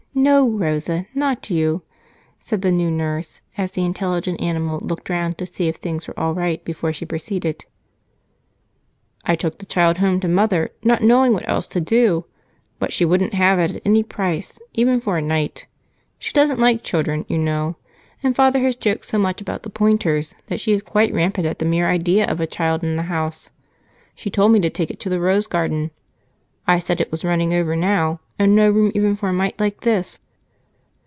No, Rosa, not you," said the new nurse as the intelligent animal looked around to see if things were all right before she proceeded. "I took the child home to mother, not knowing what else to do, but she wouldn't have it at any price, even for a night. She doesn't like children, you know, and Father has joked so much about 'the Pointers' that she is quite rampant at the mere idea of a child in the house. She told me to take it to the Rose Garden. I said it was running over now, and no room even for a mite like this.